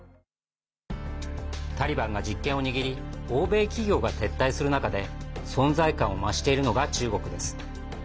タリバンが実権を握り欧米企業が撤退する中で存在感を増しているのが中国です。